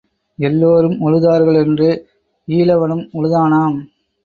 எல்லாரும் உழுதார்களென்று ஈழவனும் உழுதானாம்.